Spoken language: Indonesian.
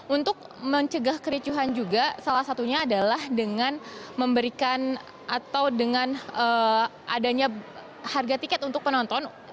untuk mencegah kericuhan juga salah satunya adalah dengan memberikan atau dengan adanya harga tiket untuk penonton